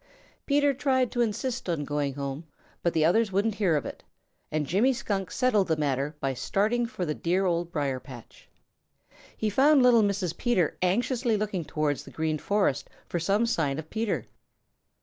Peter tried to insist on going home, but the others wouldn't hear of it, and Jimmy Skunk settled the matter by starting for the dear Old Briar patch. He found little Mrs. Peter anxiously looking towards the Green Forest for some sign of Peter.